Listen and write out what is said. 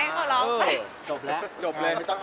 ก็ให้เขาร้องไป